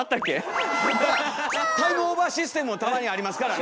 タイムオーバーシステムもたまにありますからね。